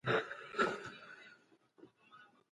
لښتې د نغري ایرې بیا لندې کړې.